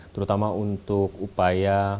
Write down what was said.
terutama untuk upaya